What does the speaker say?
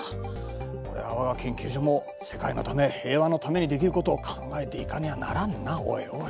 これは我が研究所も世界のため平和のためにできることを考えていかにゃならんなおいおいおい。